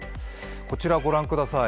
こちらご覧ください。